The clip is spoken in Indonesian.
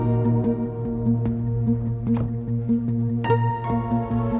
saya sudah selesai mencari